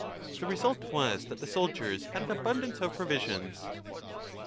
The result was that the soldiers had an abundance of provisions.